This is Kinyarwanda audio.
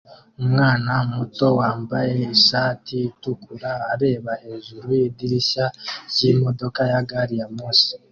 Umwana muto wambaye ishati itukura areba hejuru yidirishya ryimodoka ya gari ya moshi